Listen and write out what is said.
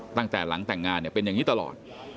ตั้งแต่หลังแต่งงานเป็นอย่างนี้ตลอด